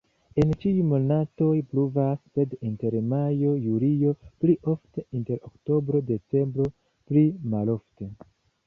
En ĉiuj monatoj pluvas, sed inter majo-julio pli ofte, inter oktobro-decembro pli malofte.